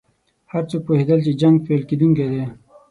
هر څوک پوهېدل چې جنګ پیل کېدونکی دی.